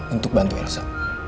untuk bantu elsa